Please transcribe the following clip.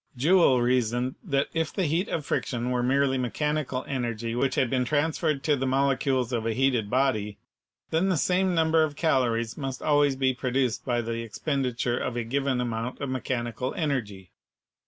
Joule reasoned that if the heat of friction were merely mechanical energy which had been transferred to the molecules of a heated body, then the same number of calories must always be produced by the expenditure of a given amount of mechanical energy.